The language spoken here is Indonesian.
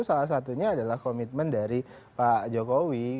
maksimalkan itu salah satunya adalah komitmen dari pak jokowi